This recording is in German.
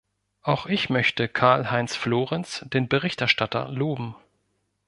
Auch ich möchte Karl-Heinz Florenz, den Berichterstatter, loben.